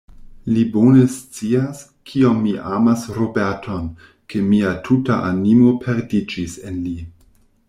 Li bone scias, kiom mi amas Roberton; ke mia tuta animo perdiĝis en li.